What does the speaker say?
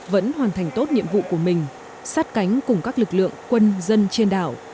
vẫn hoàn thành tốt nhiệm vụ của mình sát cánh cùng các lực lượng quân dân trên đảo